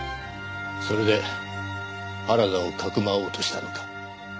それで原田をかくまおうとしたのか？